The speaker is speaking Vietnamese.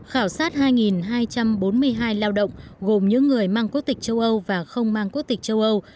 khảo sát hai hai trăm bốn mươi hai lao động gồm những người mang quốc tịch châu âu và không mang quốc tịch châu âu